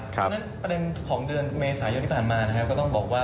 เพราะฉะนั้นประเด็นของเดือนเมษายนที่ผ่านมานะครับก็ต้องบอกว่า